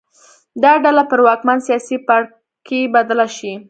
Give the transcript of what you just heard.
دا ډله پر واکمن سیاسي پاړکي بدله شي.